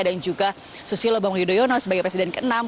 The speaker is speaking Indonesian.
dan juga susilo bambang yudhoyono sebagai presiden keenam